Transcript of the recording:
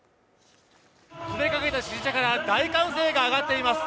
詰めかけた支持者から大歓声が上がっています